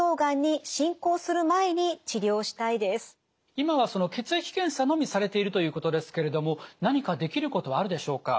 今は血液検査のみされているということですけれども何かできることはあるでしょうか？